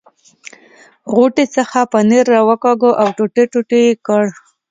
غوټې څخه پنیر را وکاږه او ټوټې ټوټې یې کړ.